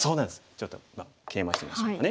ちょっとケイマしてみましょうかね。